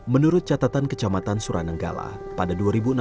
menurut catatan kecamatan suranenggala pada dua ribu enam belas